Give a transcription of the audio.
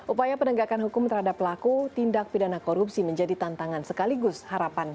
upaya penegakan hukum terhadap pelaku tindak pidana korupsi menjadi tantangan sekaligus harapan